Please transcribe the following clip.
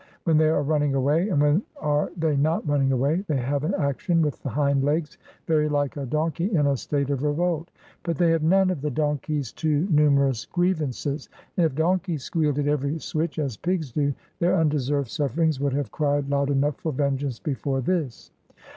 When they are running away,—and when are they not running away?—they have an action with the hind legs very like a donkey in a state of revolt. But they have none of the donkey's too numerous grievances. And if donkeys squealed at every switch, as pigs do, their undeserved sufferings would have cried loud enough for vengeance before this.